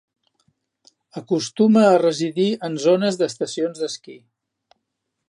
Acostuma a residir en zones d'estacions d'esquí.